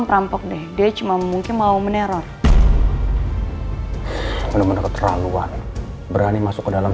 perampok deh dia cuma mungkin mau meneror bener bener keterlaluan berani masuk ke dalam